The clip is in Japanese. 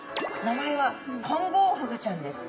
名前はコンゴウフグちゃんです。